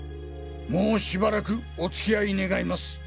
もうしばらくお付き合い願います。